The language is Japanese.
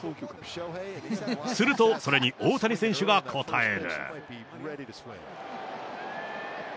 すると、それに大谷選手が応える。